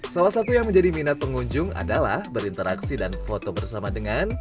salah satu yang menjadi minat pengunjung adalah berinteraksi dan foto bersama dengan